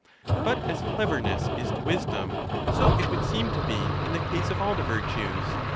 ^ But as cleverness is to wisdom, so it would seem to be in the case of all the virtues.